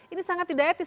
ini sangat tidak etis